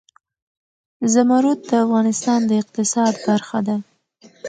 زمرد د افغانستان د اقتصاد برخه ده.